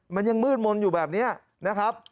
มันยังมืดมนต์อยู่แบบนี้นะครับ